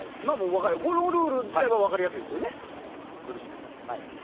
このルール自体は分かりやすいですよね。